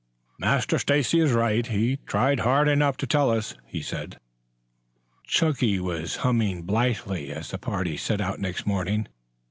"Master Stacy is right. He tried hard enough to tell us," he said. Chunky was humming blithely as the party set out next morning.